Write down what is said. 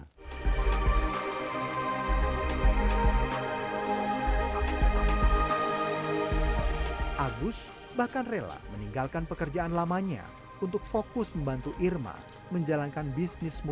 tetap saya ikut mengantar saya ikuti dampingi support terus untuk menyemangati bu irma